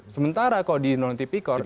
sementara kalau di undang undang tipikor